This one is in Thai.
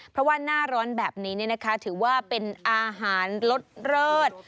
เพราะว่าหน้าร้อนแบบนี้ถือว่าเป็นอาหารลดเลิศ